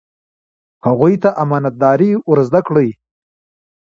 هغوی ته امانت داري ور زده کړئ.